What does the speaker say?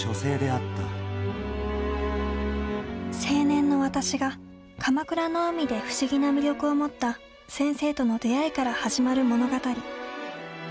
青年の「わたし」が鎌倉の海で不思議な魅力を持った「先生」との出会いから始まる物語。